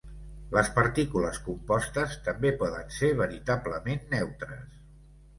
Les partícules compostes també poden ser veritablement neutres.